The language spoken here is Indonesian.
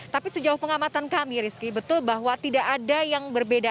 tapi sejauh pengamatan kami rizky betul bahwa tidak ada yang berbeda